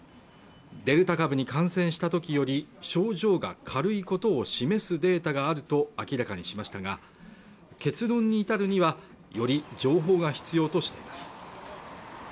デルタ株に感染した時より症状が軽いことを示すデータがあると明らかにしましたが結論に至るにはより情報が必要としています